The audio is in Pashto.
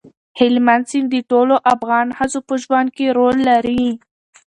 هلمند سیند د ټولو افغان ښځو په ژوند کې رول لري.